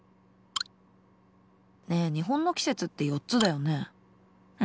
日本の季節で４つだよね。